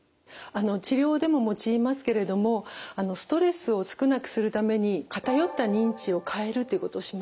治療でも用いますけれどもストレスを少なくするために偏った認知を変えるということをします。